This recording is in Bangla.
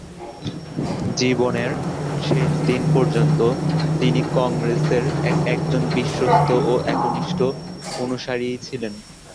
জীবনের শেষ দিন পর্যন্ত তিনি কংগ্রেসের একজন বিশ্বস্ত ও একনিষ্ঠ অনুসারীই ছিলেন।